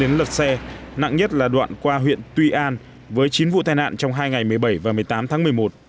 lấn lật xe nặng nhất là đoạn qua huyện tuy an với chín vụ tai nạn trong hai ngày một mươi bảy và một mươi tám tháng một mươi một